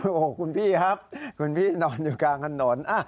โอ้โหคุณพี่ครับคุณพี่นอนอยู่กลางถนน